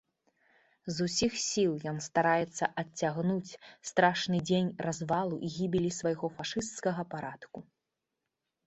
З усіх сіл ён стараецца адцягнуць страшны дзень развалу і гібелі свайго фашысцкага парадку.